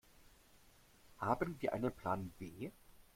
Haben wir einen Plan B?